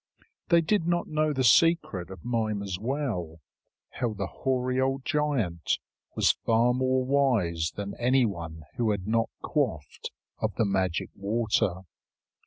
They did not know the secret of Mimer's well, how the hoary old giant was far more wise than anyone who had not quaffed of the magic water.